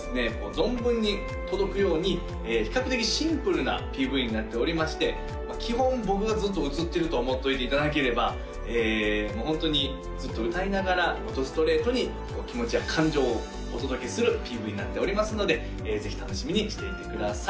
存分に届くように比較的シンプルなＰＶになっておりまして基本僕がずっと映ってると思っといていただければホントにずっと歌いながらドストレートに気持ちや感情をお届けするＰＶになっておりますのでぜひ楽しみにしていてください